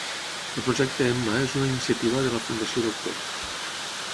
El Projecte Emma és una iniciativa de la Fundació doctor.